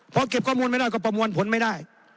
พอเก็บข้อมูลไม่ได้ก็ประมวลผลไม่ได้